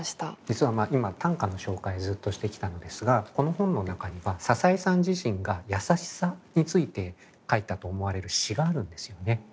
実は今短歌の紹介をずっとしてきたのですがこの本の中には笹井さん自身がやさしさについて書いたと思われる詩があるんですよね。